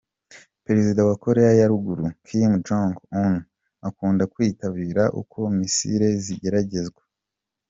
Perezida wa Koreya ya Ruguru, Kim Jong-Un, akunda kwitabira uko missile zigeragezwa